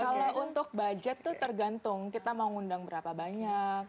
kalau untuk budget tuh tergantung kita mau ngundang berapa banyak